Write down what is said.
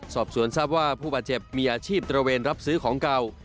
สอบสวนทราบว่าผู้บาดเจ็บมีอาชีพตระเวนรับซื้อของเก่า